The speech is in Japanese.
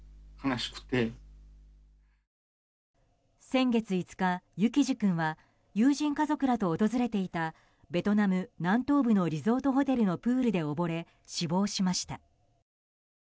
先月５日、幸士君は友人家族らと訪れていたベトナム南東部のリゾートホテルのプールで溺れ死亡しました。